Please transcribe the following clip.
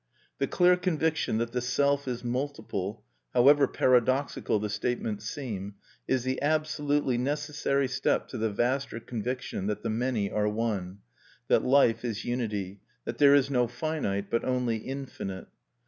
The clear conviction that the self is multiple, however paradoxical the statement seem, is the absolutely necessary step to the vaster conviction that the many are One, that life is unity, that there is no finite, but only infinite.